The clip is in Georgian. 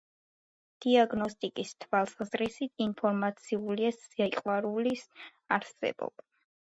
დიაგნოსტიკის თვალსაზრისით ინფორმაციულია სიყვითლის არსებობა.